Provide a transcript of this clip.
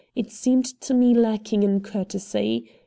It seemed to me lacking in courtesy.